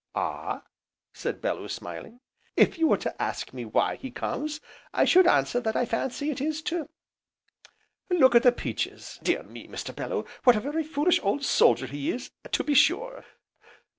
"Ah?" said Bellew, smiling. "If you were to ask me why he comes, I should answer that I fancy it is to look at the peaches. Dear me, Mr. Bellew! what a very foolish old soldier he is, to be sure!"